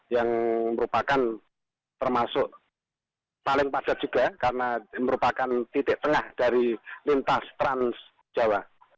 yang merupakan termasuk paling padat juga karena merupakan titik tengah dari lintas transjawa